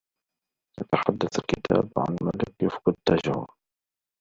.يتحدث الكتاب عن ملك يفقد تاجه